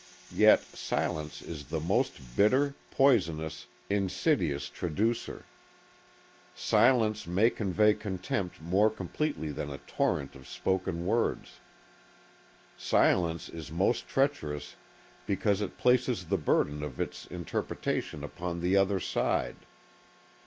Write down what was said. Yet silence is the most bitter, poisonous, insidious traducer. Silence may convey contempt more completely than a torrent of spoken words. Silence is most treacherous because it places the burden of its interpretation upon the other side.